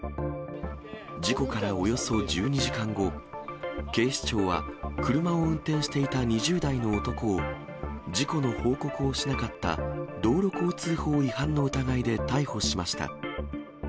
事故からおよそ１２時間後、警視庁は、車を運転していた２０代の男を、事故の報告をしなかった、道路交通法違反の疑いで逮捕しました。